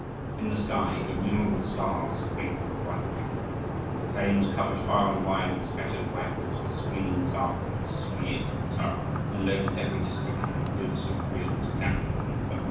In the sky innumerable stars twinkled brightly. The plain was covered far and wide with scattered waggons with swinging tar buckets, smeared with tar, and loaded with every description of goods and provisions captured from the foe.